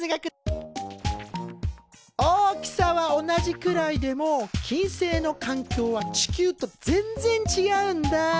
大きさは同じくらいでも金星のかんきょうは地球と全然ちがうんだ。